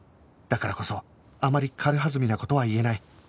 だからこそあまり軽はずみな事は言えない